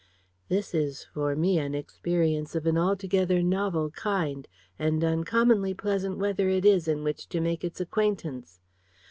"This is for me an experience of an altogether novel kind, and uncommonly pleasant weather it is in which to make its acquaintance.